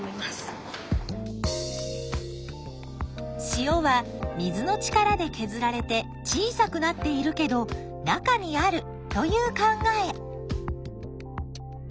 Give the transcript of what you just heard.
塩は水の力でけずられて小さくなっているけど中にあるという考え。